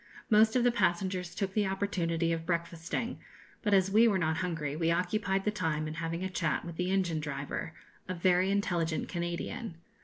Most of the passengers took the opportunity of breakfasting, but as we were not hungry we occupied the time in having a chat with the engine driver, a very intelligent Canadian.